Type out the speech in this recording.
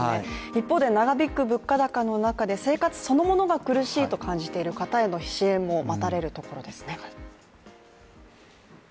一方で長引く物価高の中で生活そのものが苦しいと感じている方への支援も待たれるところですね。